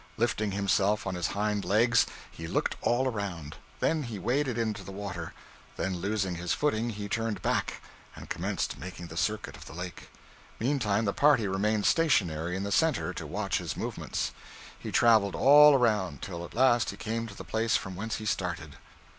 Lifting himself on his hind legs, he looked all around. Then he waded into the water; then losing his footing he turned back, and commenced making the circuit of the lake. Meantime the party remained stationary in the center to watch his movements. He traveled all around, till at last he came to the place from whence he started.